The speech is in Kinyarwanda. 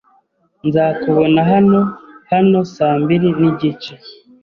Nzakubona hano hano saa mbiri n'igice.